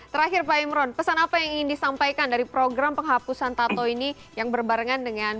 terakhir pak imron pesan apa yang ingin disampaikan dari program penghapusan tato ini yang berbarengan dengan